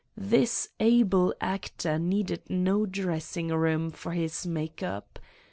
This able actor needed no dressing room for his make up!